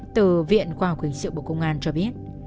từ viện khoa học hình sự bộ công an cho biết